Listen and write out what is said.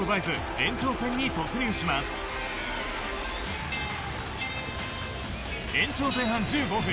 延長前半１５分。